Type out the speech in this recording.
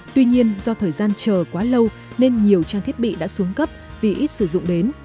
tuy nhiên do thời gian chờ quá lâu nên nhiều trang thiết bị đã xuống cấp vì ít sử dụng đến